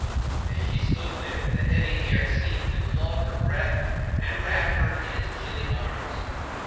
As she stood there the heavy air seemed to clog her breath and wrap her in its chilly arms.